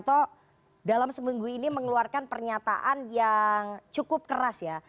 pak prabowo subianto dalam seminggu ini mengeluarkan pernyataan yang cukup keras ya